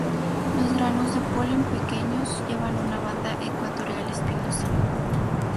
Los granos de polen, pequeños, llevan una banda ecuatorial espinosa.